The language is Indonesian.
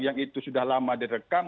yang itu sudah lama direkam